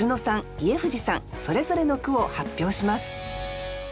家藤さんそれぞれの句を発表します。